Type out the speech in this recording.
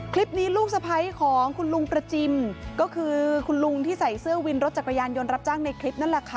ลูกสะพ้ายของคุณลุงประจิมก็คือคุณลุงที่ใส่เสื้อวินรถจักรยานยนต์รับจ้างในคลิปนั่นแหละค่ะ